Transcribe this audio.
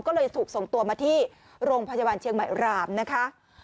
ก็เลยถูกส่งตัวมาที่โรงพยาบาลเชียงใหม่รามนะคะ